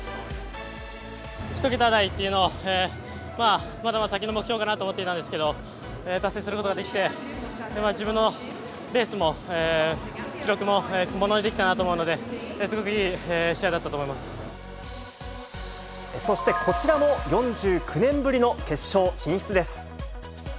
１桁台というのは、まあ、まだまだ先の目標かなと思っていたんですけど、達成することができて、自分のレースも記録もものにできたなと思うので、すごくいい試合そしてこちらも４９年ぶりの決勝進出です。